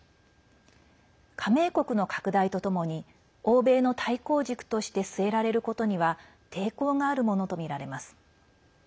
加盟国の拡大とともに欧米の対抗軸として据えられることには抵抗があるものとみられます。